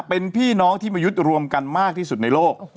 เป็นพี่น้องที่มายึดรวมกันมากที่สุดในโลก